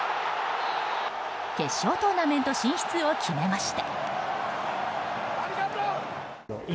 決勝トーナメント進出を決めました。